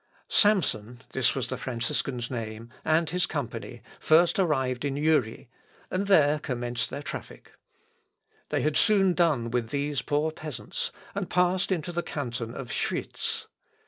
Samson (this was the Franciscan's name) and his company first arrived in Uri, and there commenced their traffic. They had soon done with these poor peasants, and passed into the canton of Schwitz.